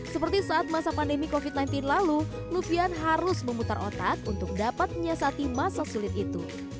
seperti saat masa pandemi covid sembilan belas lalu lufian harus memutar otak untuk dapat menyiasati masa sulit itu